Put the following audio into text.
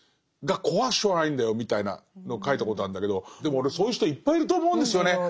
が怖くてしょうがないんだよみたいなのを書いたことあるんだけどでも俺そういう人いっぱいいると思うんですよね。